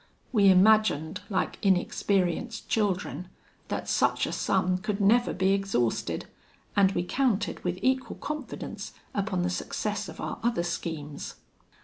We imagined, like inexperienced children, that such a sum could never be exhausted, and we counted, with equal confidence, upon the success of our other schemes.